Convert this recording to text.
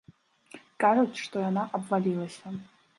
Кажуць, што яна абвалілася.